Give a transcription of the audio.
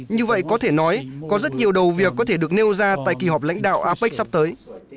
như vậy có thể nói có rất nhiều đầu việc có thể được nêu ra tại kỳ họp lãnh đạo apec sắp tới